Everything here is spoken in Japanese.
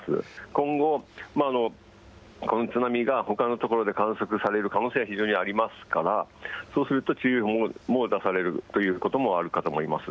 今後、この津波がほかのところで観測される可能性は非常にありますから、そうすると注意報も出されるということもあるかと思います。